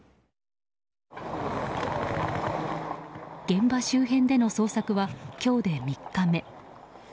現場周辺での捜索は今日で３日目。